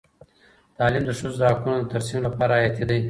تعلیم د ښځو د حقونو د ترسیم لپاره حیاتي دی.